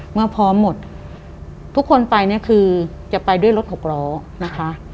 เมื่อพร้อมหมดทุกคนไปเนี่ยคือจะไปด้วยรถหกล้อนะคะ